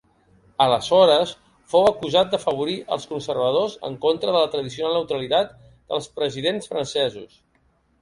Aleshores fou acusat d'afavorir als conservadors en contra de la tradicional neutralitat dels presidents francesos.